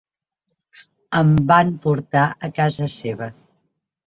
Em van portar a casa seva.